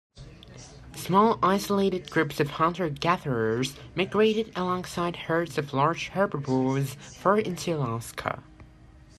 Small isolated groups of hunter-gatherers migrated alongside herds of large herbivores far into Alaska.